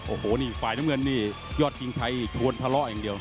โอ้โหนี่ฝ่ายน้ำเงินนี่ยอดชิงชัยชวนทะเลาะอย่างเดียว